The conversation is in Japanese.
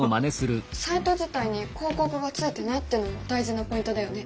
サイト自体に広告がついていないっていうのも大事なポイントだよね。